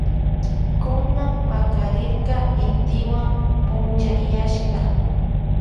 Kunan pakarirka intiwan punchayashka.